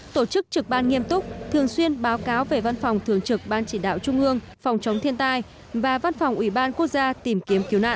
tổ chức trực ban nghiêm túc thường xuyên báo cáo về văn phòng thường trực ban chỉ đạo trung ương phòng chống thiên tai và văn phòng ủy ban quốc gia tìm kiếm cứu nạn